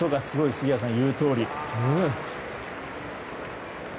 杉谷さんが言うとおり。